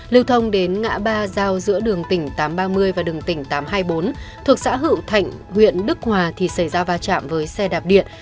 lưu thông đến ngã ba giao giữa đường tỉnh tám trăm ba mươi và đường tỉnh tám trăm hai mươi bốn thuộc xã hữu thạnh huyện đức hòa thì xảy ra va chạm với xe đạp điện